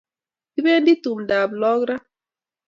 Kipendi tumdo ab lakok raa